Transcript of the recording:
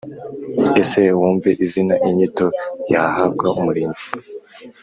Ese wumve izina inyito y ahabwa Umurinzi